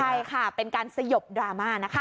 ใช่ค่ะเป็นการสยบดราม่านะคะ